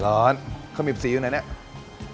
ร้อนข้าวบีบสีอยู่ไหนเนี่ย